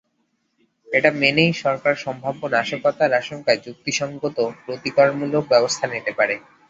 এটা মেনেই সরকার সম্ভাব্য নাশকতার আশঙ্কায় যুক্তিসংগত প্রতিকারমূলক ব্যবস্থা নিতে পারে।